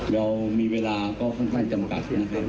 เรามีเวลาก็ค่อนข้างจำกัด